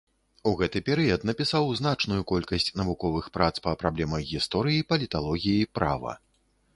У гэты перыяд напісаў значную колькасць навуковых прац па праблемах гісторыі, паліталогіі, права.